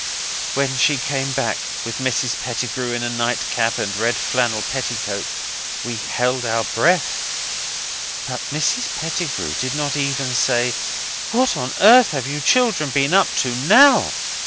When she came back, with Mrs Pettigrew in a nightcap and red flannel petticoat, we held our breath. But Mrs Pettigrew did not even say, 'What on earth have you children been up to NOW?